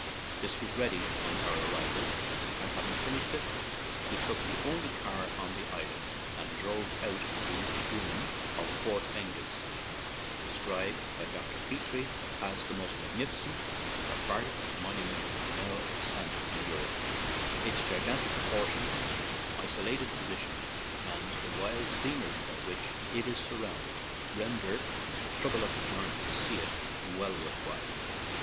This was ready on our arrival, and, having finished it, we took the only car on the island and drove out to Dun (or Fort) Aengus, described by Dr. Petrie as "the most magnificent barbaric monument now ex tant in Europe/' Its gigantic propor tions, isolated position, and the wild scen ery by which it is surrounded render the trouble of the journey to see it well worth while.